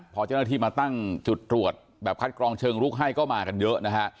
พอเจ้าหน้าที่มาตั้งจุดตรวจแบบคัดกรองเชิงลุกให้ก็มากันเยอะนะฮะ